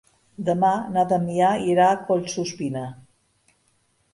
Demà na Damià irà a Collsuspina.